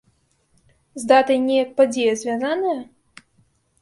З датай неяк падзея звязаная?